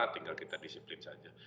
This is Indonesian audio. tinggal kita disiplin saja